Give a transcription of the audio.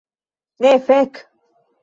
Ne, fek'